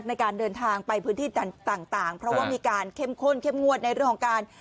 ในการเดินทางไปพื้นที่ต่างเพราะว่ามีการเข้มข้นเข้มงวดในเรื่องของการ